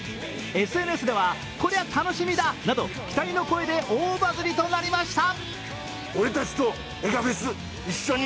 ＳＮＳでは、これゃ楽しみだなど期待の声で大バズりとなりました。